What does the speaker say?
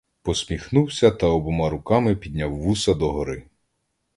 Посміхнувся та обома руками підняв вуса до гори.